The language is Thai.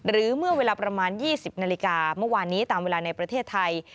หรือเมื่อเวลาประมาณ๒๐นาฬิกาเมื่อวานนี้ตามเวลาในประเทศไทย